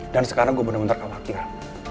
dan sekarang gue bener bener kewakil